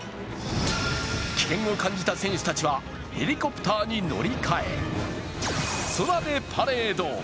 危険を感じた選手たちは、ヘリコプターに乗り換え、空でパレード。